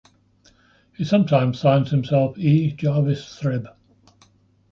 He sometimes signs himself E Jarvis Thribb.